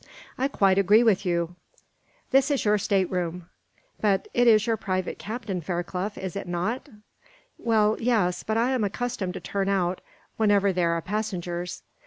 "I quite agree with you." "This is your stateroom." "But it is your private cabin, Fairclough, is it not?" "Well, yes; but I am accustomed to turn out, whenever there are passengers."